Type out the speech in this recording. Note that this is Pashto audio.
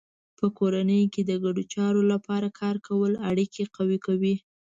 په کورنۍ کې د ګډو چارو لپاره کار کول اړیکې قوي کوي.